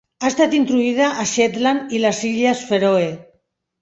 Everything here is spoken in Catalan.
Ha estat introduïda a Shetland i les Illes Fèroe.